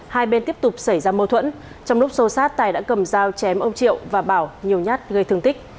hai bên tiếp tục xảy ra mâu thuẫn trong lúc xô sát tài đã cầm dao chém ông triệu và bảo nhiều nhát gây thương tích